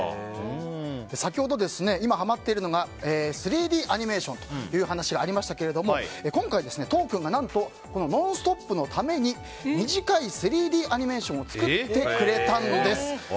先ほど、今はまっているのが３Ｄアニメーションという話がありましたけど今回、都央君が何と「ノンストップ！」のために短い３Ｄアニメーションを作ってくれたんです。